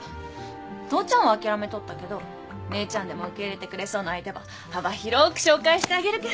父ちゃんは諦めとったけど姉ちゃんでも受け入れてくれそうな相手ば幅広く紹介してあげるけん。